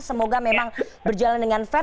semoga memang berjalan dengan fair